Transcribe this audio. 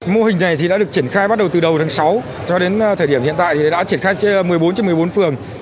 mô hình này đã được triển khai bắt đầu từ đầu tháng sáu cho đến thời điểm hiện tại đã triển khai trên một mươi bốn trên một mươi bốn phường